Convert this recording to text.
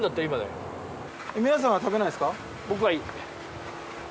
僕はいい。